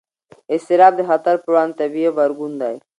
اضطراب د خطر پر وړاندې طبیعي غبرګون دی.